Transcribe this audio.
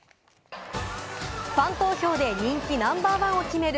ファン投票で人気ナンバーワンを決める